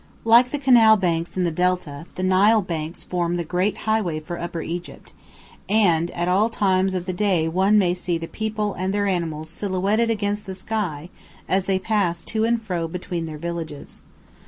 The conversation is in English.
Like the canal banks in the Delta, the Nile banks form the great highway for Upper Egypt, and at all times of the day one may see the people and their animals silhouetted against the sky as they pass to and fro between their villages.